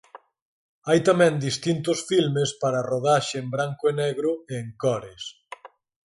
Hai tamén distintos filmes para a rodaxe en branco e negro e en cores.